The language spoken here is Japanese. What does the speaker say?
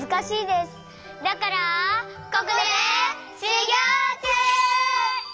ここでしゅぎょうちゅう！